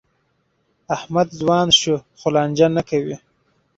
احمد ځوان شو؛ خو لانجه نه کوي.